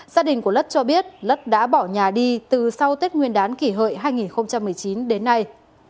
gia đình của lất cho biết lất đã bỏ nhà đi từ sau tết nguyên đán kỷ hợi hai nghìn một mươi chín đến nay